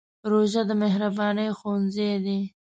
روژه د مهربانۍ ښوونځی دی.